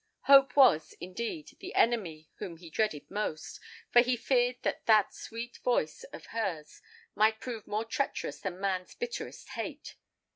Hope was, indeed, the enemy whom he dreaded most, for he feared that that sweet voice of hers might prove more treacherous than man's bitterest hate.